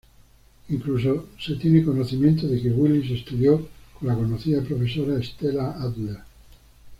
Incluso se tiene conocimiento de que Willis estudió con la conocida profesora Stella Adler.